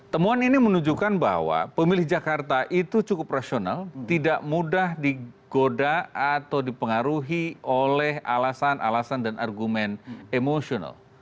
temuan ini menunjukkan bahwa pemilih jakarta itu cukup rasional tidak mudah digoda atau dipengaruhi oleh alasan alasan dan argumen emosional